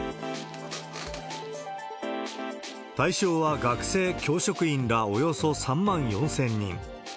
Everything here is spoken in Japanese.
対象は学生、教職員らおよそ３万４０００人。